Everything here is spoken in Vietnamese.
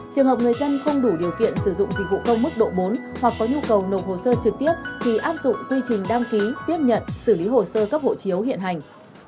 trường hợp người dân không đủ điều kiện sử dụng dịch vụ công mức độ bốn hoặc có nhu cầu nộp hồ sơ trực tiếp thì áp dụng quy trình đăng ký tiếp nhận xử lý hồ sơ cấp hộ chiếu hiện hành